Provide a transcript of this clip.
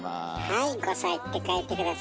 はい「５さい」って書いて下さい。